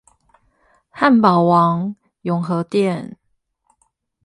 漢堡王永和店